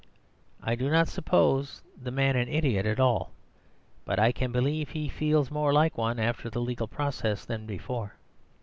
I do not suppose the man is an idiot at all, but I can believe he feels more like one after the legal process than before.